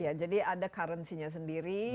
ya jadi ada currency nya sendiri